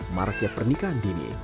maraknya pernikahan dini